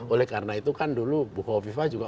oleh karena itu kan dulu buko viva juga